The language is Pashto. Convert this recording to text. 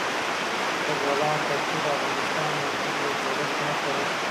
د بولان پټي د افغانستان د ځمکې د جوړښت نښه ده.